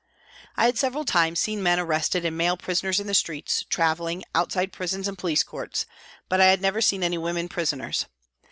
I had several times seen men arrested and male prisoners in the streets, travelling, outside prisons and police courts, but I had never seen any women prisoners.